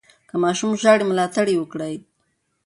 که ماشوم ژاړي، ملاتړ یې وکړئ.